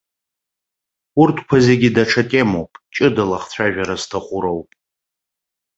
Урҭқәа зегьы даҽа темоуп, ҷыдала ахцәажәара зҭаху роуп.